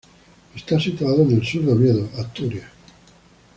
Está situado en el sur de Oviedo, Asturias.